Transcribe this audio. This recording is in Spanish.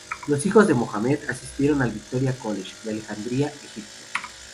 Los hijos de Mohammed asistieron al Victoria College de Alejandría, Egipto.